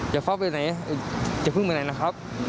อย่าฟับไปไหนอย่าพึ่งไปไหนนะครับ